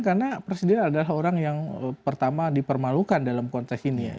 karena presiden adalah orang yang pertama dipermalukan dalam konteks ini